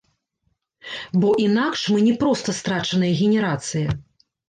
Бо інакш мы не проста страчаная генерацыя.